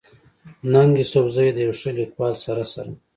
ننګ يوسفزۍ د يو ښه ليکوال سره سره